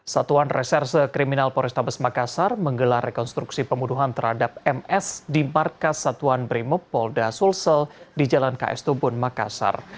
satuan reserse kriminal polrestabes makassar menggelar rekonstruksi pembunuhan terhadap ms di markas satuan brimob polda sulsel di jalan ks tubun makassar